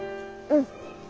うん？